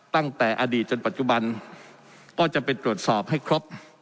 ตั้งแต่อดีตจนปัจจุบันก็จะไปตรวจสอบให้ครบ